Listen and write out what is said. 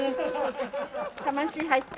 ・魂入った。